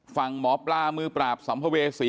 ฝั่งหมอปลามือปราบสัมภเวษี